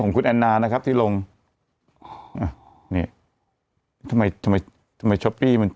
ของคุณแอนนานะครับที่ลงอ่ะนี่ทำไมทำไมช้อปปี้มัน